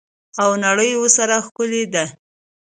او نړۍ ورسره ښکلې ده.